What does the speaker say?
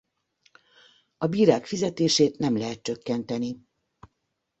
A bírák fizetését nem lehet csökkenteni.